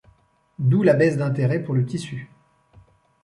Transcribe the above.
D'où la baisse d’intérêt pour le tissus.